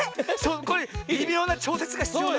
これびみょうなちょうせつがひつようね。